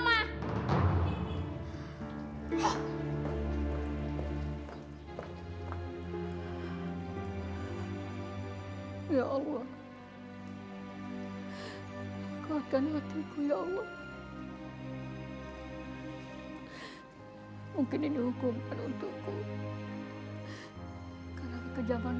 mas hendrik aku mau ke rumah